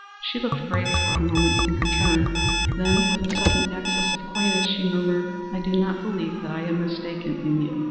She looked grave for a moment in her turn, then with a sudden access of coyness she murmured, "I do not believe that I am mistaken in you."